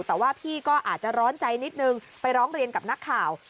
แต่ว่าพี่ก็อาจจะร้อนใจนิดนึงไปร้องเรียนกับนักข่าว